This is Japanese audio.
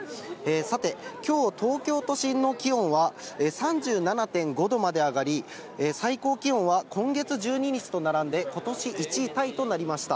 さて、きょう東京都心の気温は３７．５度まで上がり、最高気温は今月１２日と並んで、ことし１位タイとなりました。